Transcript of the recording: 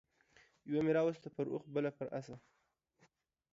يوه مې راوسته پر اوښ بله پر اس